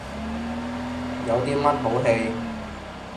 有啲乜好戯？